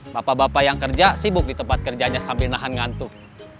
bapak bapak yang kerja sibuk di tempat kerjanya sambil nahan ngantuk